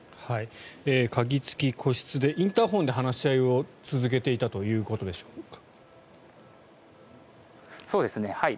鍵付き個室でインターホンで話し合いを続けていたということでしょうか。